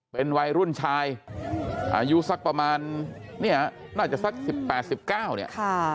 เป็นวัยรุ่นชายอายุสักประมาณเนี่ยน่าจะสัก๑๘๑๙เนี่ย